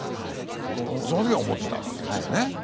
その時は思ってたわけですよね。